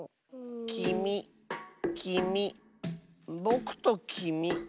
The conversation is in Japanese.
きみきみぼくときみ。